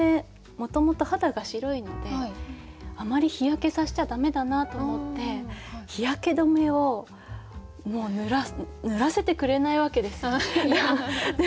もともと肌が白いのであまり日焼けさせちゃ駄目だなと思って日焼け止めを塗らせてくれないわけですよ。